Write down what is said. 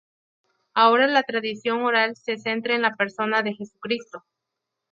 Ahora la tradición oral se centra en la persona de Jesucristo.